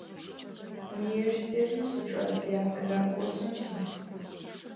Университетым сычӏэс, яплӏэнэрэ курсым сис.